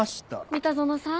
三田園さん？